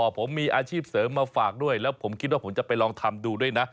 ผมมีอาชีพเสริมมาฝากด้วยแล้วผมคิดว่าผมจะไปลองทำดูด้วยนะ